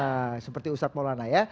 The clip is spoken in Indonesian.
nah seperti ustadz maulana ya